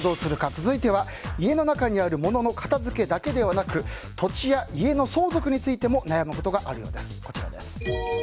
続いては、家の中にある物の片づけだけではなく土地や家の相続についても悩むことがあるようです。